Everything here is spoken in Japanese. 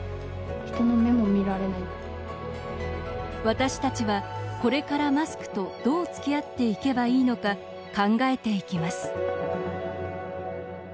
私たちは、これからマスクとどうつきあっていけばいいのか考えていきます